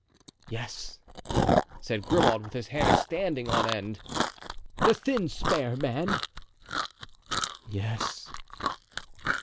"Yes," said Grimaud, with his hair standing on end. "The thin, spare man?" "Yes."